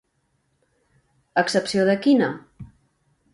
A excepció de quina?